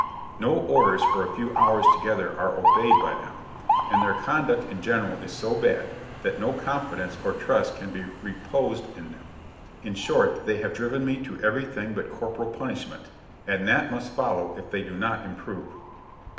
No orders for a few hours together are obeyed by them, and their conduct in general is so bad, that no confidence or trust can be reposed in them; in short, they have driven me to every thing but corporal punishment, and that must follow if they do not improve.'